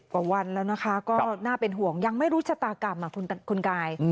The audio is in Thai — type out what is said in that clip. กว่าวันแล้วนะคะก็น่าเป็นห่วงยังไม่รู้ชะตากรรมคุณกาย